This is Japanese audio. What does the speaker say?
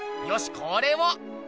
よしこれを。